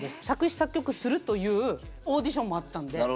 作詞・作曲するというオーディションもあったんで。